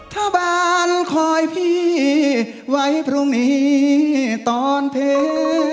ชาวบ้านคอยพี่ไว้พรุ่งนี้ตอนเพ